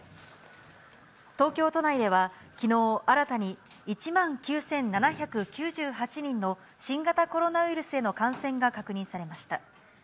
東京都内では、きのう新たに１万９７９８人の新型コロナウイルスへの感染が確認されました。